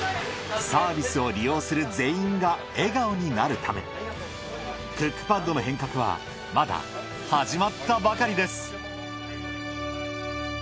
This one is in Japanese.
サービスを利用する全員が笑顔になるためクックパッドの変革はまだ始まったばかりです。